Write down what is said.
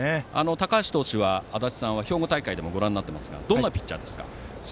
高橋投手は足達さんは兵庫大会でもご覧になっていますがどんなピッチャーですか？